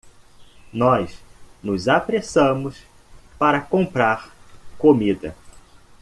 Nós nos apressamos para comprar comida.